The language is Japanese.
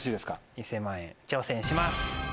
１０００万円挑戦します！